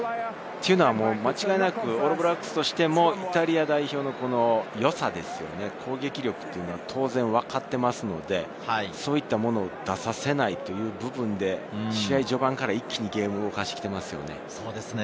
間違いなくオールブラックスとしてもイタリア代表の良さ、攻撃力を当然わかっていますので、そういったものを出させないという部分で、序盤から一気にゲームを動かしてきていますよね。